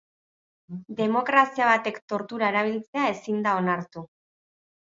Demokrazia batek tortura erabiltzea ezin da onartu.